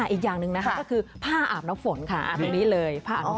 อีกอย่างหนึ่งก็คือผ้าอาบน้ำฝนค่ะตรงนี้เลยผ้าอาบน้ำฝน